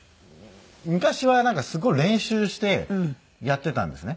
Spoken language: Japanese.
昔はすごい練習してやってたんですね。